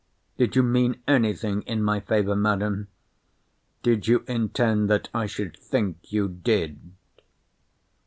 Did you mean any thing in my favour, Madam?—Did you intend that I should think you did?